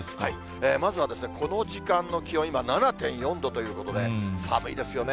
まずはこの時間の気温、今７．４度ということで、寒いですよね。